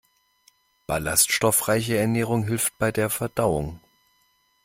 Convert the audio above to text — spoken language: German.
Ballaststoffreiche Ernährung hilft bei der Verdauung.